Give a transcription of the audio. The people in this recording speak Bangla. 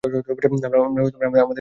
আমরা আমাদের স্বামী বেছে নিই!